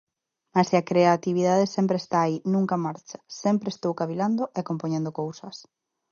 Mais a creatividade sempre está aí, nunca marcha, sempre estou cavilando e compoñendo cousas.